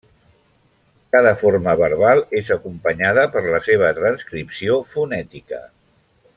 Cada forma verbal és acompanyada per la seva transcripció fonètica.